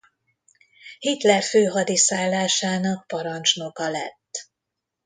Hitler főhadiszállásának parancsnoka lett.